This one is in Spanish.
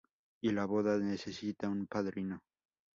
Y la boda necesita un padrino.